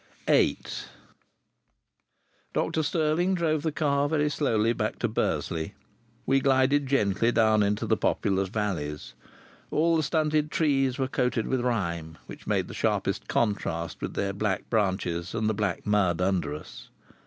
VIII Dr Stirling drove the car very slowly back to Bursley. We glided gently down into the populous valleys. All the stunted trees were coated with rime, which made the sharpest contrast with their black branches and the black mud under us.